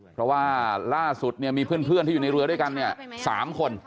เพราะว่าล่าสุดเนี่ยมีเพื่อนที่อยู่ในเรือด้วยกันเนี่ย๓คน